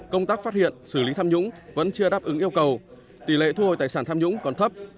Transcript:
công tác phát hiện xử lý tham nhũng vẫn chưa đáp ứng yêu cầu tỷ lệ thu hồi tài sản tham nhũng còn thấp